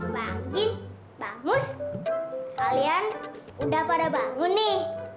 bang jin bang mus kalian udah pada bangun nih